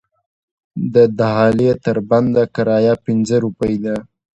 د دهالې تر بنده کرایه پنځه روپۍ ده.